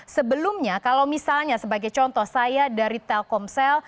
sebelumnya kalau misalnya sebagai contoh saya dari telkomsel